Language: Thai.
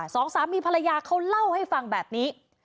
สองสามีภรรยาเขาเล่าให้ฟังแบบนี้